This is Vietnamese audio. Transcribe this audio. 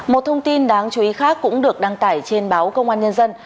một thông tin đáng chú ý khác cũng được đăng tải trên báo công an nhân dân